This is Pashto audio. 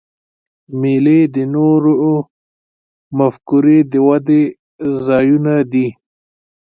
مېلې د نوو مفکورې د ودي ځایونه دي.